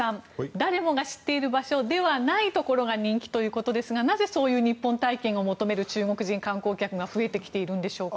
誰もが知っている場所ではないところが人気ということですがなぜそういう日本体験を求める中国人観光客が増えてきているんでしょうか。